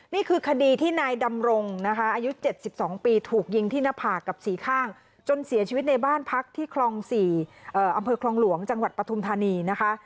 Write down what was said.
นี่คือคดีที่นายดำรงนะคะอายุ๗๒ปีถูกยิงที่หน้าผากกับสี่ข้างจนเสียชีวิตในบ้านพักที่คลอง๔อำเภอคลองหลวงจังหวัดปฐุมธานีนะคะ